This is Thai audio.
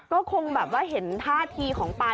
ก็คงแบบว่าเห็นท่าทีของปลา